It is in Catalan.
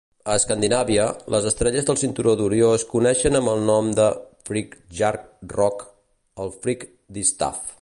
A Escandinàvia, les estrelles del cinturó d'Orió es coneixen amb el nom de "Friggjar rockr", el "Frigg distaff".